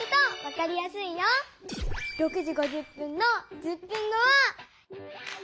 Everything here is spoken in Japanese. ６時５０分の１０分後は。